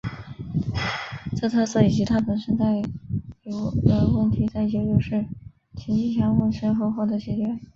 这特色以及它本身带有的问题在九九式轻机枪问世后获得解决。